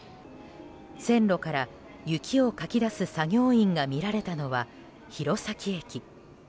線路から雪をかき出す作業員が見られたのは、弘前駅。